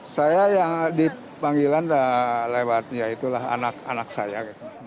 saya yang dipanggilan dah lewatnya itulah anak anak saya